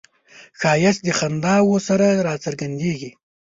ښایست د خنداوو سره راڅرګندیږي